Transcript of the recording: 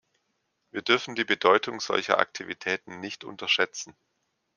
Wir dürfen die Bedeutung solcher Aktivitäten nicht unterschätzen.